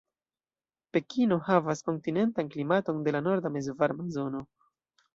Pekino havas kontinentan klimaton de la norda mezvarma zono.